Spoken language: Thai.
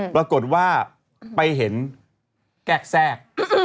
ปรากฏว่าไปเห็นแกะแทรก